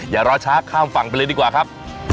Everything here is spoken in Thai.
อย่ารอช้าข้ามฝั่งไปเลยดีกว่าครับ